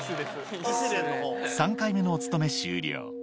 ３回目のお勤め終了。